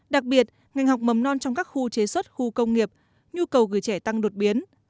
đặc biệt ngành học mầm non trong các khu chế xuất khu công nghiệp nhu cầu gửi trẻ tăng đột biến